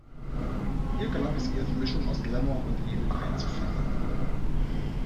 Hier gelang es ihr, die Mischung aus Glamour und Elend einzufangen.